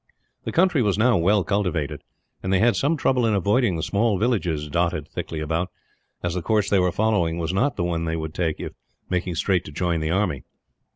The country was now well cultivated, and they had some trouble in avoiding the small villages dotted thickly about, as the course they were following was not the one they would take if making straight to join the army.